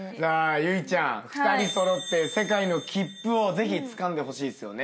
有以ちゃん２人揃って世界の切符をぜひつかんでほしいっすよね。